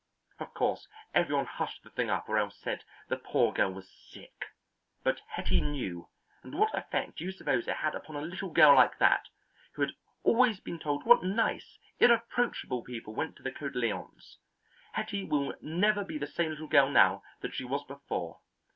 Of course, every one hushed the thing up or else said the poor girl was sick; but Hetty knew, and what effect do you suppose it had upon a little girl like that, who had always been told what nice, irreproachable people went to the Cotillons? Hetty will never be the same little girl now that she was before.